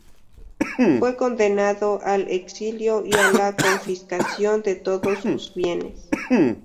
Fue condenado al exilio y a la confiscación de todos sus bienes.